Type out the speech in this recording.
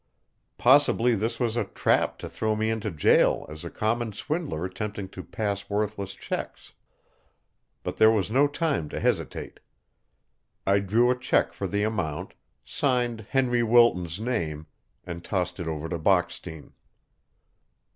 Possibly this was a trap to throw me into jail as a common swindler attempting to pass worthless checks. But there was no time to hesitate. I drew a check for the amount, signed Henry Wilton's name, and tossed it over to Bockstein.